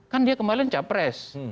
kan dia kembali capres